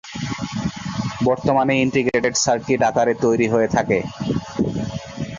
বর্তমানে integrated circuit আকারে তৈরি হয়ে থাকে।